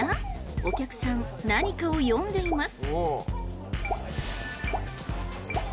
お客さん何かを読んでいます。